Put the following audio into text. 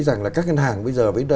rằng là các ngân hàng bây giờ